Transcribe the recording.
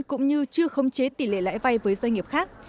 cũng như chưa khống chế tỷ lệ lãi vay với doanh nghiệp khác